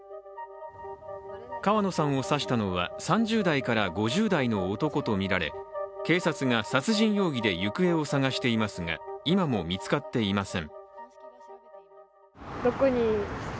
川野さんを刺したのは３０代から５０代の男とみられ、警察が殺人容疑で行方を捜していますが今も見つかっていません。